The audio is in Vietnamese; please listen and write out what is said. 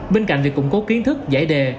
bên cạnh việc củng cố kiến thức giải đề